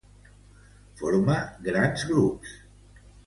Forma grans grups.